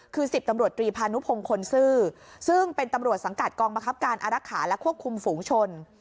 คือ๑๐ตำรวจตรีพานุพงศ์คนซื่อซึ่งเป็นตำรวจสังกัดกองบังคับการอารักษาและควบคุมฝูงชน